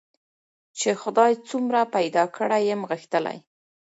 چي خدای څومره پیدا کړی یم غښتلی